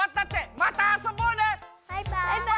またあそぼうね！